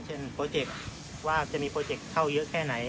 โปรเจคว่าจะมีโปรเจคเข้าเยอะแค่ไหน